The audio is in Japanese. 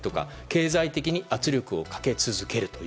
経済的に圧力をかけ続ける。